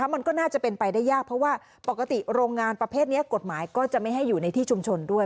มันก็น่าจะเป็นไปได้ยากเพราะว่าปกติโรงงานประเภทนี้กฎหมายก็จะไม่ให้อยู่ในที่ชุมชนด้วย